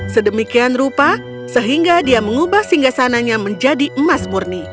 sedemikian rupa sehingga dia mengubah singgah sananya menjadi emas murni